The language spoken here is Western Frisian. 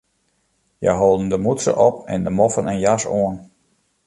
Hja holden de mûtse op en de moffen en jas oan.